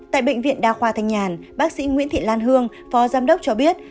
tại bệnh viện đa khoa thanh nhàn bác sĩ nguyễn thị lan hương phó giám đốc cho biết